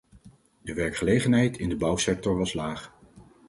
De werkgelegenheid in de bouwsector was laag.